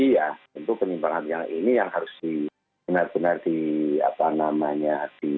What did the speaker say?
ya tentu penyimpangan yang ini yang harus benar benar di apa namanya